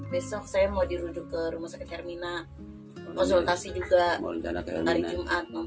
besok saya mau diruduk ke rumah sakit hermina konsultasi juga hari jumat